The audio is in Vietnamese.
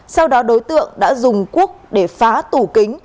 sau đó đối tượng đã dùng cuốc để phá tủ kính